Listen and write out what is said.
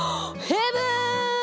ヘブン！